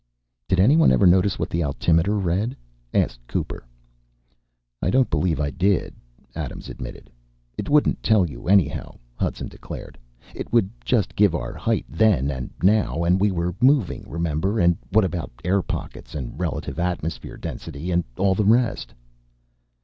"Did anyone ever notice what the altimeter read?" asked Cooper. "I don't believe I did," Adams admitted. "It wouldn't tell you, anyhow," Hudson declared. "It would just give our height then and now and we were moving, remember and what about air pockets and relative atmosphere density and all the rest?"